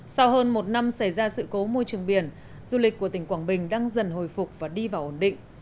sau hơn một năm xảy ra sự cố môi trường biển du lịch của tỉnh quảng bình đang dần hồi phục và đi vào ổn định